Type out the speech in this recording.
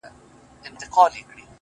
هم راته غم راکړه ته او هم رباب راکه